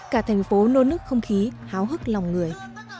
cả thành phố nôn nức không khí háo hức lòng người